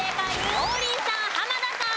王林さん濱田さん